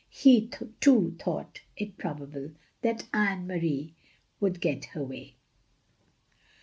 He too thought it prbbable that Anne Marie wotild get her way.